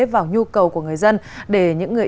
vào nhu cầu của người dân để những người